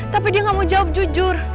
tapi dia gak mau jawab jujur